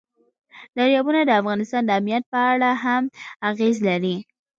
دریابونه د افغانستان د امنیت په اړه هم اغېز لري.